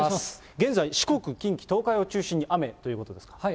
現在、四国、近畿、東海を中心に雨ということですね。